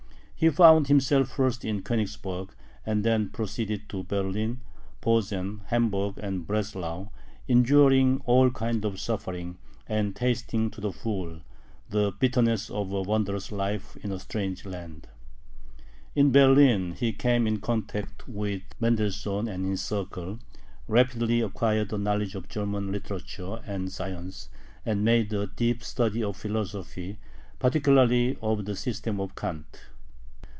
He found himself first in Königsberg, and then proceeded to Berlin, Posen, Hamburg, and Breslau, enduring all kinds of suffering, and tasting to the full the bitterness of a wanderer's life in a strange land. In Berlin he came in contact with Mendelssohn and his circle, rapidly acquired a knowledge of German literature and science, and made a deep study of philosophy, particularly of the system of Kant.